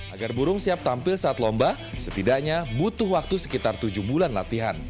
agar burung siap tampil saat lomba setidaknya butuh waktu sekitar tujuh bulan latihan